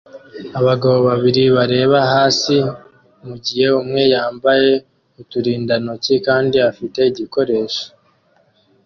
Abagabo babiri bareba hasi mugihe umwe yambaye uturindantoki kandi afite igikoresho